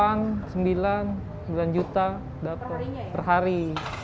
kalau sebelum pandemi delapan sembilan sembilan juta per hari